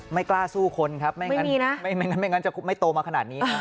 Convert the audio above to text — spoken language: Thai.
ไม่กล้าสู้คนครับไม่งั้นไม่งั้นจะไม่โตมาขนาดนี้